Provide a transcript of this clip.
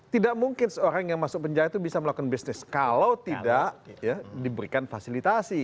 tidak mungkin seorang yang masuk penjara itu bisa melakukan bisnis kalau tidak diberikan fasilitasi